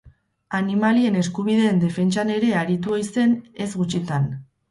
Animalien eskubideen defentsan ere aritu ohi zen ez gutxitan.